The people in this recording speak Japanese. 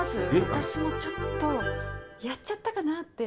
私もちょっとやっちゃったかなって。